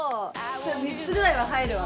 ３つぐらいは入るわ。